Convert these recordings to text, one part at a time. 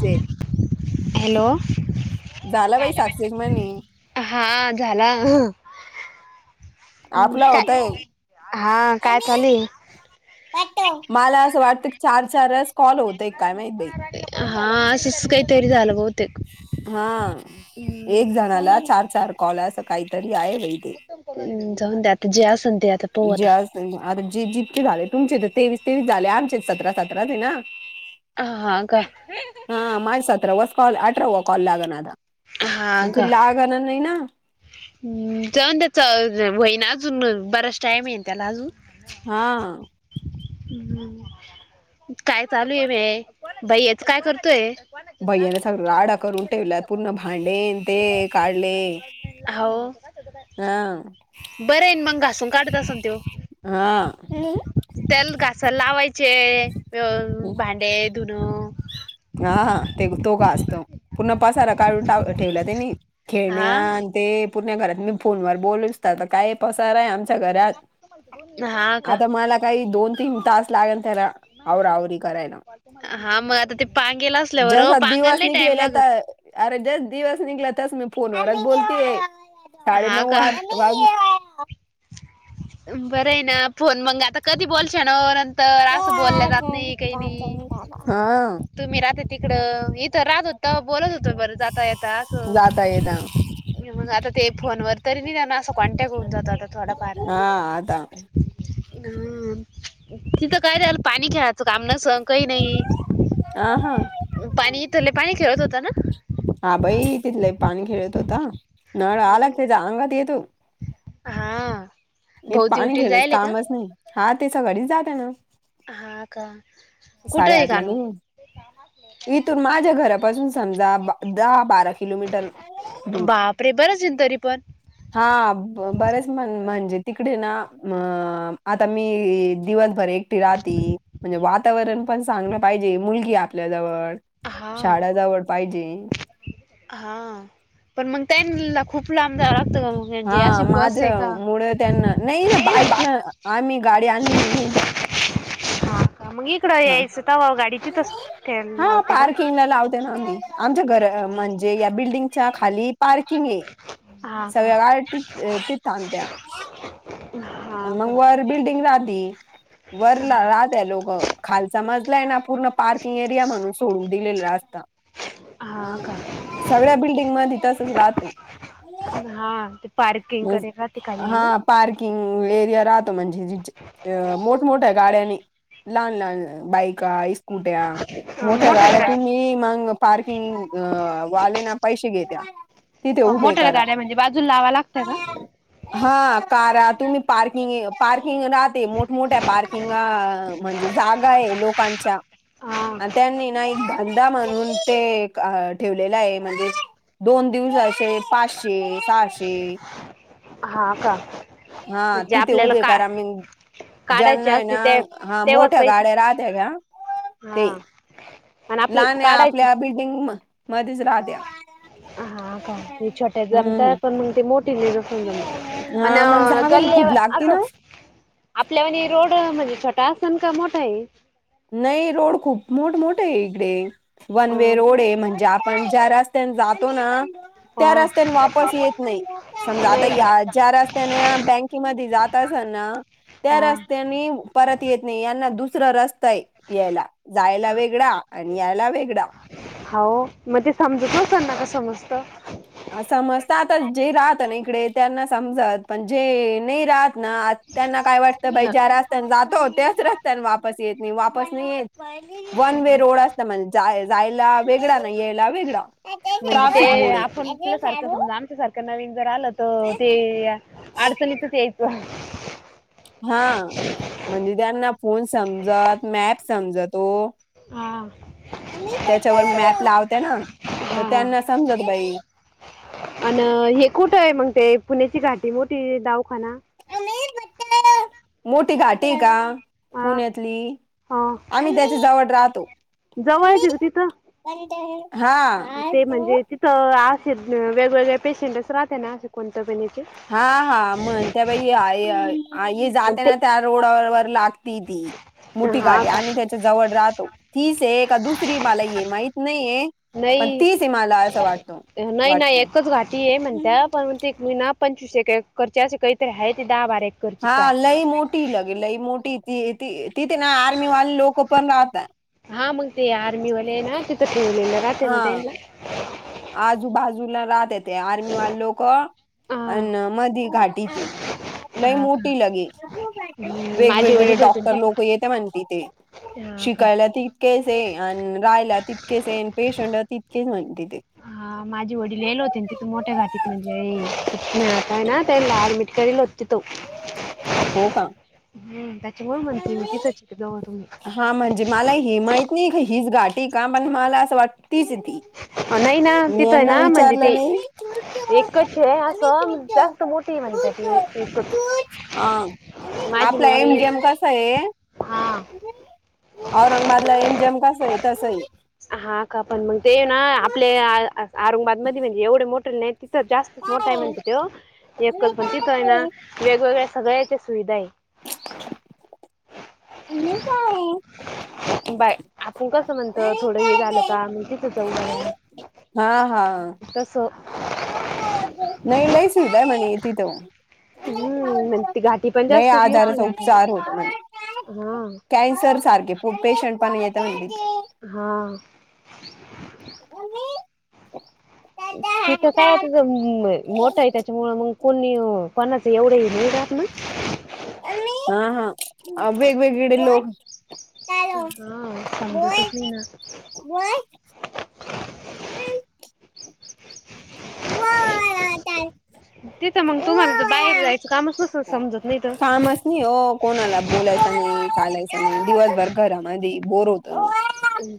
स [unintelligible] हॅलो झाला बाई सक्सेस म्हणे हा झाला. आपला ह् होतय काय हा काय चालू ये वा मला असं वाटत क चार चार वस कॉल होतय काय माहित बाई. हा असेच काहीतरी झालं बहुतेक. हा एक हम्म, जणाला चार चार कॉल अस काहीतरी आहे बाई. ते हम्म जाऊनदे आता जे असन ते आता पाहू आता जेज [unintelligible] आता जे जितके झाले तुमचे ते तेवीस तेवीस झाले आमचे सतरा सतरा च ये ना [unintelligible] हा हा काय. हा माझ सतरावास कॉल अठरावा कॉल लाग ना आता हा मग का ते लाग ना नई ना. हम्म. जाऊन दे च व्हय ना अजून बराच टाईम ये ना त्याला अजून? हा. हम्म. काय चालू ये बे, बई याचं काय करतोय? भैया ने सगळा राडा करून टेवला पूर्ण भांडेन ते काढले. हो. हा. बरय ना मग घासून काढत आसन त्यो? हा. त्याल घासाय लावायचे भांडे, धुन. हा हा ते बी तो घासतो पूर्ण पसारा काढूना ठेवला त्यानी. हा खेळण्यान मी ते पूर्ण घरात मी फोनवर बोलूस त काय पसाराय आमच्या घरात दोन्ही हा का आता मला काही दोन तीन तास लागेल त्याला आवराआवरी करायला हा मग आता ते पांगेल जसा दिवस निघलेला त अरे जस दिवस निघला तस मी फोनवरच बोलतीये. साडेनऊ वाज वाज बरय ना फोन? मंग आता कधी बोलशान ओ न [unintelligible] तर असं बोलले जात नई काही नई. हा तुम्ही राहत्या तिकडं मी इथ राहत होती तवा बोलत होतो बरं जाता येता असं जाता येता मग आता ते फोनवर तरी निदान असं कॉन्टॅक्ट होऊन जातो आता थोडा फार‌. हा आता हम तिथं काय झालं पाणी खेळायचं काम नसन काई नई [unintelligible] अ हा. पाणी इथं लई पाणी खेळत होता ना? हा बई तिथ लई पाणी खेळत होता नळ आला त्याच्या अंगात येतो हा. इथ भाऊ पाणी ड्युटीला खेळाच जायले का कामच नई हा ते सकाळीच जाता ना [unintelligible] हा का? कुठं आहे साडेआठ ला कानू निघून इथून माझ्या घरापासून समजा दहा बारा किलोमीटर दूर [unintelligible] हा बरेच म्हण म्हणजे तिकडे ना अ आता मी दिवस परत एकटी राहती. म्हणजे वातावरण पण चांगल पाहिजे मुलगी आहे आपल्याजवळ. हा शाळा जवळ पाहिजे. हा पण मग त्यानला खूप लांब जाव तर म्हणजे हा अशी बस आहे माझ्या का? मुळे त्यांना नई ना बाईक न आम्ही गाडी आणलेली ये ना इथ हा का? मग इकडं हा यायचं तवा गाडी तिथंच ठे हा लावते का? पार्किंगला लावते ना आम्ही. आमच्या घर म्हणजे या बिल्डिंगच्या खाली पार्किंग आहे हा का सगळ्या गाड्या तिथ तिथ थांबत्या. हा [unintelligible] का लोक खालचा मजला आये ना पूर्ण पार्किंग एरिया म्हणून सोडून दिलेलं असत. हा का सगळ्या बिल्डिंग मध्ये तसच राहतो. हा ते पार्किंग करे [unintelligible] का ते काय आहे हा. ना पार्किंग एरिया राहतो म्हणजे ज जे मोठमोठ्या गाड्यांनी. लहान लहान बायका स्कूट्या मोठ्या गाड्या तुम्ही मग पार्किंग वाले ना पैसे घेत्या. तिथे हं उभे मोठ्याल्या करा गाड्या म्हणजे बाजूला लावाय लागत्या का? हा कारा तुम्ही पार्किंग पार्किंग राहते मोठमठ्या पार्क [unintelligible] किंवा म्हणजे जागा ये लोकांच्या. हा आणि त्यांनी ना एक धंदा म्हणून ते एक ठेवलेला आहे मध्येच. दोन दिवसाचे पाचशे, सहाशे. हा का. हा म्हणजे तिथे आपल्याला उभे का करा. मीन काढायचे ज्यांना हाय ना, असली ते हा तेव्हाच मोठ्या पैसे गाड्या राहत्या का ते. हा आणि आपली लहाने काढायची आपल्या‌ बिल्डिंग म मध्येच ‌राहत्या. हा का, ते छोट्या हम्म जमतंय, पण मग ते मोठ [unintelligible] हा मग जागा खूप लागते ना आपल्यावाणी रोड म्हणजे छोटा आसन का मोठा आहे? नई रोड खूप मोठ मोठा आहे इकडे. अ वनवे रोड आहे म्हणजे आप पण ज्या रस्त्याने जातो ना, त्या हा रस्त्याने वापस येत नई. समजा आता नाही या का ज्या रस्त्याने बँकेमध्ये जात असाल ना त्या हा रस्त्याने परत येत‌ नाही यांना दुसरा रस्ता आहे यायला. जायला वेगळा आणि यायला वेगळा. हा ओ मग ते समजत असं ना का समजतं? समजता आता जे राहत ना इकडे त्यांना समजत, पण जे नाही राहत ना त्यांना काय वाटतं बाई, न ज्या रस्त्याने जातो त्याच रस्त्याने वापस येत नाही. वापस नाही येत वन वे रोड असत म्हण, जायला वेगळा ना यायला वेगळा. म्हणजे ट्राफिक ते मुळे आप संपलं सारख‌ समजा. आमच्यासारख नवीन जर आलं, तर ते अडचणीतच यायचं. हा म्हणजे त्यांना फोन समजत, मॅप समजतो. हा त्याच्यावर मॅप लावते ना, तर त्यांना समजत बाई. आन हे कुठं हाय मग, ते पुण्याचे घाटी मोठी दवाखाना? मोठी घाटी हाय का? हा पुण्यातली, हा आम्ही त्याच्या जवळ राहतो. जवळच आहे का तिथं हा. ते म्हणजे ती तर असे वेगवेगळे पेशंटच राहते ना असे कोणत पण हेचे? भई आई हाय. आई जाते ना त्या ते रोडावर लागती ती, मोठी हा गाडी. का आम्ही त्या च्या जवळ राहतो, तीच हाय का दुसरी मलाही हे माहित नाहीये. पण नाही तीच आहे मला असं वाटतो नाही नाही वाटते एकच घाटी आहे म्हणत्या परंत एक महिना. पंचवीस एक एकरची अशी काय तरी हाय दहा बारा एक. हा लई मोठी लगे लई मोठी ती ती, तिथे ना आर्मीवाले लोक पण राहतात. हा मग ते आर्मीवाले आहे ना तिथं ठेवलेलं राहते ना हा तेनला. आजूबाजूला राहते ते, आर्मी वाले लोकं हा अन मधी घाटी ती. लई हा का मोठी लगी, माझे वेगवेगळे डॉक्टर लोक येते म्हण तिथे. हां का. याला तितकेच हाय आणि राहायला तितकेच हाय, आन पेशंट तितकेच म्हणं तिथे. हा माझे वडील येले होते आणि तिथे मोठ्या घाटीत म्हणजे आताय ना त्याला अऍडमिट करील होतं. चत हो का ह त्याच ग मंत तिथची त [unintelligible] हा‌ म्हणजे मलाही माहित नई की हिच गाठी का? पण मला असं वाट तीच ती. नाही ना मी तिथं आहे यांना ना म्हणजे विचारलं ते नई‌. एकच आहे असं जास्त मोठी आहे म्हणत्या ती एकच हा माझी आपला मम्मी एमजेम कस आहे हा औरंगाबादला एमजेम कसा हाय तसं हाय. हा का, पण मग ते ना आपल्या औरंगाबादमध्ये म्हणजे एवढे मोटले नाही तथं जास्त मोठा आहे म्हणत तो एकच पण, तिथं आहे ना वेगवेगळ्या सगळ्याच्या सुविधा आहे. [unintelligible] बाय, आपुण कसं म्हणतत? हे झालं का म तिथे जाऊन राहूया. हा हा तसं नाही लय सुविधा आहे म्हणे तिथं. हम्म. ती घाटी पण लय जास्तच मोठी आजाराचा उपचार म्हणतात होतो म्हणे न हा. कॅन्सर सारखे पेशंट पण येते म्हणली. हा. [unintelligible] [inaudible] तिथं काय आता मोठं आहे, त्याच्यामुळे मग कोणी कोणाचं एवढंही नाही राहात ना. हा, हा, वेगवेगळी इकड लोक. हा, समजतच नाही ना. व्हय [inaudible] तिथं मग तुम्हाला तर बाहेर जायचं कामच नसल समजत नाही तर. कामच नाही हो, कोणाला बोलायच नाही, चालायच नाही. दिवसभर घरामध्ये बोर होतो न.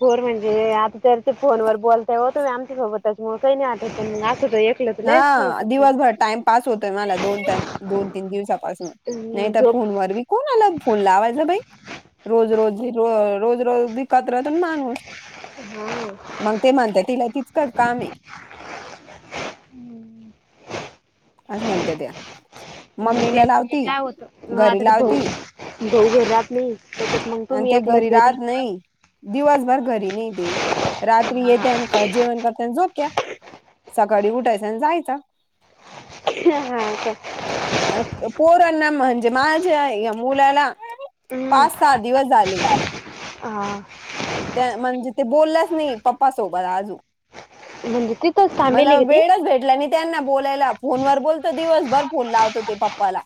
भोरं म्हणजे, आता ततर फोनवर बोलतय होत. आमच्या सोबतच मग, काही नाही वाटत एक हा दिवसभर टाइम पास होतोय, मला दोन तन दोन, तीन दिवसापासन. नाही असेल तर झोप फोनवर मी कोणला फोन लावायच बाई. रोज रोज [unintelligible] रोज रोज कतऱ्यातुन हा मांग ते म्हणतात तिला किचकट काम आहे. हम्म. असं म्हणत्यात त्या. ते मम्मीला म्हणजे लावती काय होतं, मग घरी आता ते भाऊ लावती भाऊ घरात नाही त्याच्यात मग अन् तुम्ही ते एकल्याच घरी राहत नाही. दिवसभर घरी नाही ते, रात्री येत्या न का जेवण करत्या अन झोपत्या. सकाळी उठायचं आणि जायचं. हा का. पोरांना म्हणजे माझ्या या मुलाला हम्म. पाच, सहा दिवस झाले. हा. त्या म्हणजे, ते बोललाच नाही पप्पासोबत अजून म्हणजे तिथ [unintelligible] मल वेळच भेटला नाही त्यांना बोलायला, फोनवर बोलतो दिवसभर. फोन लावतो ते पप्पाला.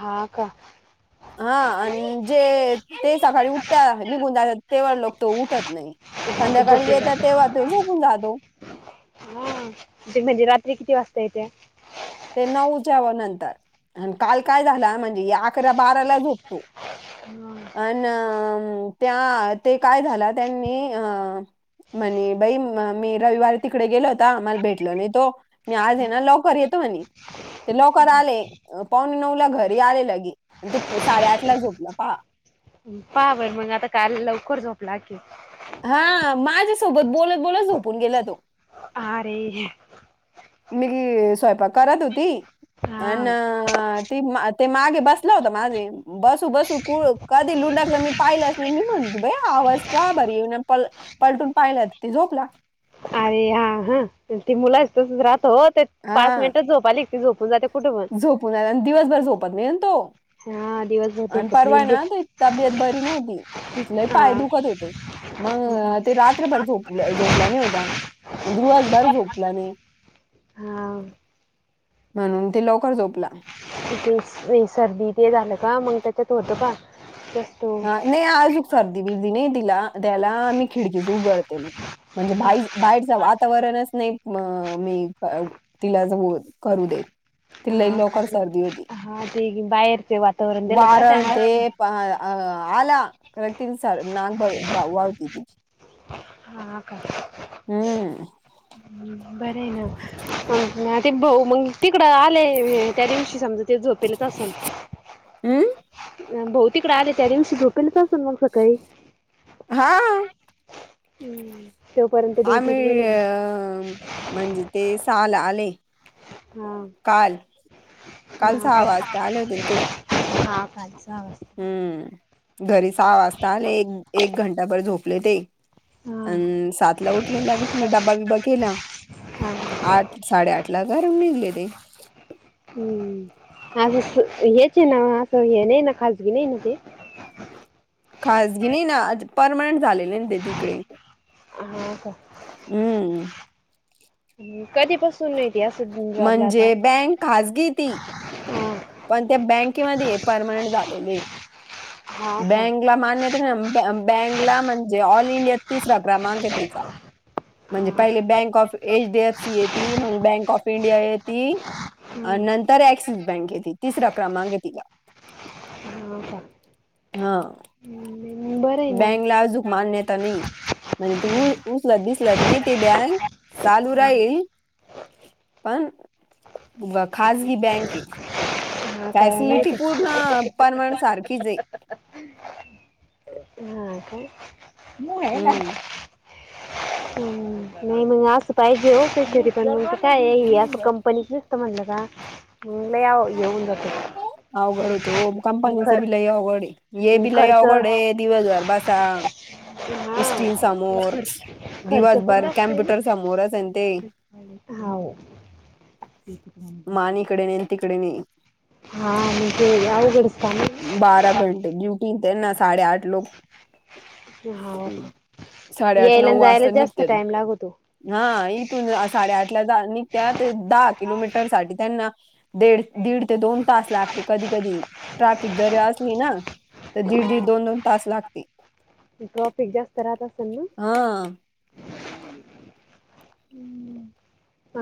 हा, का? हा आणि जे ते सकाळी उठत्या निघून जातात. तेव्हा लोक तो उठत नाही, हा, ते संध्याकाळी झोपलेले येतात राहतात. तेव्हा तो झोपून जातो. हा, ते म्हणजे रात्री किती वाजता येत्या? ते नऊच्या नंतर आणि काल काय झाला म्हणजे या अकरा बाराला झोपतो. अन् त्या ते काय झाला त्यांनी अ म्हणे, बाई मी रविवारी तिकडे गेलो होतो, मला भेटलो नाही तो. मी आले ना लवकर येतो म्हणी. ते लवकर आले पावणे नऊला घरी आले, लगी आणि ते साडेआठला झोपलं पाहा. पाहा बर मग, आता काल लवकर झोपला की. हा, माझ्यासोबत बोलत, बोलत झोपून गेला तो. हा. मी स्वयंपाक करत होती. हा अन् ती ते मागे बसला होता माझे. बसू बसू कु कधी लुंडारला मी पाहिलाच नाही, मी म्हणते बाई आवाज का बरी येईना? पलटून पाहिलंत की झोपला. अरे हा हा ती मुलायच तसच राहत हो. ते हा पाच मिनिटच झोप‌ आली की झोपून जाते. कुठं पण झोपून आणि दिवसभर झोपत नाहीे तो. हा दिवसभर आणि झोपत परवा हाय ना नाही ते तब्येत बरी नव्हती. तिचे लई पाय हा दुखत होते. हम्म. मग ते रात्रभर झोप-झोपला न्हवता, मग दिवसभर झोपला नाही. हा. म्हणून ते लवकर झोपला. तिथे सर्दी ते झालं का, मग त्याच्यात होतं का [unintelligible] हा नाही आजूक सर्दी विरदी नाही तिला त्याला आम्ही खिडकीच उगडते नाही. म्हणजे हा बाही-बाहेरच वातावरणच नाही. म मी तिलाच मग करू दे. हा का? हा ते बाहेरचे वातावरण दिलं का वारण त्यांना ते अ आला [unintelligible] हा का? हम्म बरी हाय [unintelligible] ते भाऊ मग तिकडं आले त्या दिवशी समजा ते झोपेलच असलं. अं? भाऊ तिकडे आले त्या दिवशी झोपेलच असलं मग सकाळी. हा. हम्म. तोपर्यंत ड्युटीस आम्ही गेले ना. अ म्हणजे ते सहाला आले. हा काल काल हा सहा का- वाजता आले होते ना ते. हा खालचा आवाज आहे. हम्म घरी सहा वाजता आले, एक एक घंटाबर झोपले ते. अ हा सातला उठले लागे मी डब्बा बिबा केला. हा आठ साडेआठला घरुन निघले ते. हम्म असं हेच ईना असं हे नाही ना खाजगी नाही ना ते? खाजगी नाही ना, परर्मनंट झालेले आहे ना ते तिकडे. हा का, हम्म अ कधीपासून हाय? ती असन जॉबला आता. म्हणजे बँक खाजगी आहे ती. हा पण त्या बँकेमध्ये आहे परमानंट झालेले. हा का बँक हिला मान्यता मिळ ब्य-बँंकला म्हणजे ऑल इंडिया तिसरा क्रमांक आहे तिचा. म्हणजे हा पहिले का, बँक ऑफ एचडीएफसी येती, मग बँक ऑफ इंडिया येत ती अ हम्म नंतर ऍक्सिस बँक आहे ती तिसरा क्रमांक तिला. हो का? हो. हम्म, बरं आहे ना बँकला अजूक मान्यता नाही. म्हणजे ते उचलत बिचलत नाही ते बॅक चालू हा राहील. पण व खाजगी बँक हे. हा ती का नाही ऍसिडिटी का पूर्ण परमनंट सारखीच आहे. हा काय? हम्म. हम्म, नाही मग असं पाहिजे [unintelligible] काय अस कंपनीच म्हणलं का लई अहो येऊन ज अवघड होतय ओ. कंपनीच खर बी लई अवघड आहे. ये बी लई खर्च अवघड आहे. दिवसभर बसा [unintelligible] ती स्क्रीन समोर, खर्च खर्च पण दिवसभर जास्त आहे कॅम्प्युटर समोरच आहे न ते मान इकडे नाही न तिकडे नाही [unintelligible] हा मग ते अवघड बारा घंटे ड्युटी आणि त्यांना साडेआठ लोक ना. हा का साडेआठ यायला नऊ आणि जायला वाजता जास्त निघतात. टाइम लागतो. हा इथून साडेआठला जा निघत्यात. दहा किलोमीटर साठी त्यांना दीड दीड ते दोन तास लागते कधी कधी. ट्राफिक जरी असली ना तर दीड हा दीड दोन दोन तास लागते. ट्रॉफिक जास्त राहत असेल ना. हा.